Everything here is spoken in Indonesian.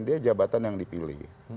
dia jabatan yang dipilih